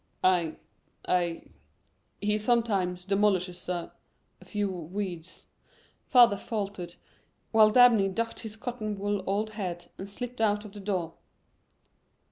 "I I he sometimes demolishes a a few weeds," father faltered, while Dabney ducked his cotton wool old head and slipped out of the door.